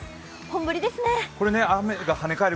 本降りですね。